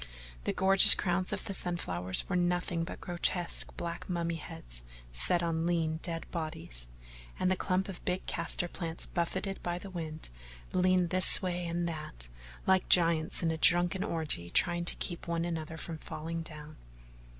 The gorgeous crowns of the sun flowers were nothing but grotesque black mummy heads set on lean, dead bodies, and the clump of big castor plants, buffeted by the wind, leaned this way and that like giants in a drunken orgy trying to keep one another from falling down.